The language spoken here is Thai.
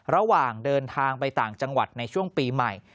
ระหว่างเดินทางไปต่างจังหวัดในช่วงปีใหม่